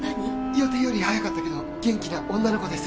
予定より早かったけど元気な女の子です